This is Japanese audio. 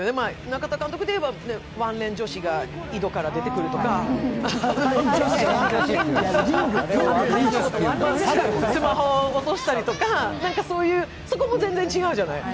中田監督でいえばワンレン女子が井戸から出てくるとか、スマホを落としたりとか、そこも全然違うじゃない。